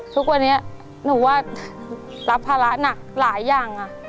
ทุกวันนี้หนูว่ารับภาระหนักหลายอย่าง